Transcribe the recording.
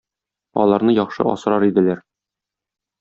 Аларны яхшы асрар иделәр.